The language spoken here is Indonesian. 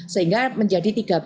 sehingga menjadi tiga belas